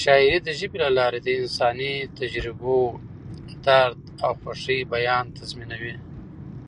شاعري د ژبې له لارې د انساني تجربو، درد او خوښۍ بیان تضمینوي.